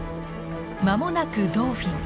間もなくドーフィン。